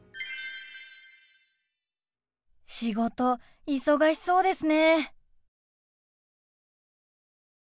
仕事忙しそうですね。